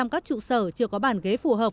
năm mươi tám các trụ sở chưa có bàn ghế phù hợp